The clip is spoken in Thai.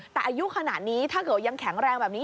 แต่อายุขนาดนี้ถ้าเกิดยังแข็งแรงแบบนี้